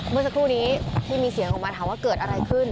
เมื่อสักครู่นี้ที่มีเสียงออกมาถามว่าเกิดอะไรขึ้น